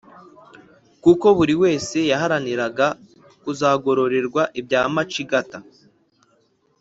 kuko buri wese yaharaniraga kuzagororerwa ibya macigata.